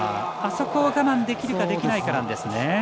あそこは我慢できるかできないかなんですね。